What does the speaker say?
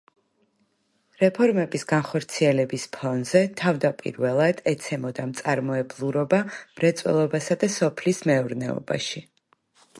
რეფორმების განხორციელების ფონზე, თავდაპირველად, ეცემოდა მწარმოებლურობა მრეწველობასა და სოფლის მეურნეობაში.